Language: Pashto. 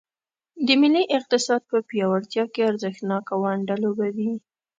د ملي اقتصاد په پیاوړتیا کې ارزښتناکه ونډه لوبوي.